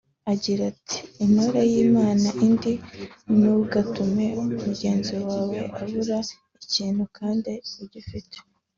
Agira ati “Intore yimana indi ntugatume mugenzi wawe abura ikintu kandi ugifite